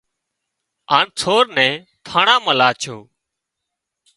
هانَ سور نين ٿاڻان مان لاڇو